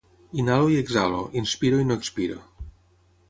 Inhalo i exhalo, inspiro i no expiro.